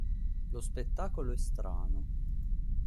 Lo spettacolo è strano.